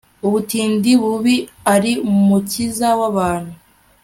butindi bubi, ari umukiza w'abantu